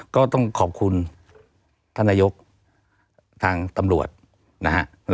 ก็ต้องขอบคุณท่านนายกทางตำรวจนะฮะ